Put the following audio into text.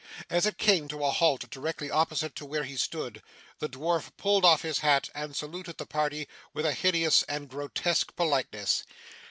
As it came to a halt directly opposite to where he stood, the dwarf pulled off his hat, and saluted the party with a hideous and grotesque politeness.